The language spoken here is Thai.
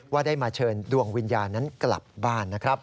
ได้มาเชิญดวงวิญญาณนั้นกลับบ้านนะครับ